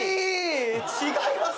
違います。